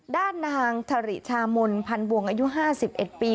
ด้านนางถริชามนพันวงอายุ๕๑ปี